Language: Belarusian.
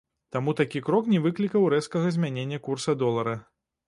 Таму такі крок не выклікаў рэзкага змянення курса долара.